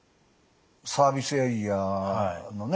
サービスエリアのね